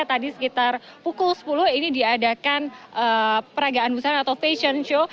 tadi sekitar pukul sepuluh ini diadakan peragaan busana atau fashion show